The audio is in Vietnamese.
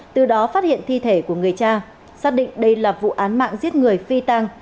từ đó phát hiện thi thể của người cha xác định đây là vụ án mạng giết người phi tăng